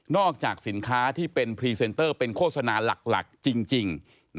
จากสินค้าที่เป็นพรีเซนเตอร์เป็นโฆษณาหลักจริง